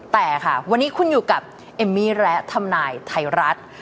แต่ค่ะวันนี้คุณอยู่กับเอมมี่และทำนายไทยรัฐ